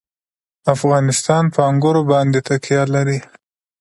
افغانستان په انګور باندې تکیه لري.